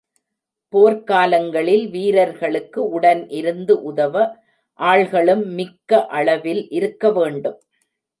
போர்க் காலங்களில் வீரர்களுக்கு உடன் இருந்து உதவ ஆள்களும் மிக்க அளவில் இருக்க வேண்டும்.